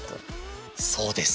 そうです。